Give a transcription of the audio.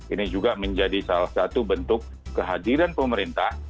ini juga menjadi salah satu bentuk kehadiran pemerintah